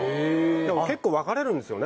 だから結構分かれるんですよね